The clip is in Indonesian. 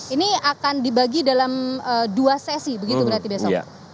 ini akan dibagi dalam dua sesi begitu berarti besok